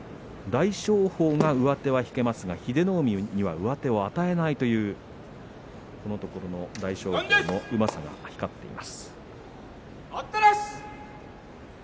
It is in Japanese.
大翔鵬が上手は引けますが英乃海には上手を与えないというこのところの大翔鵬のうまさが光っています。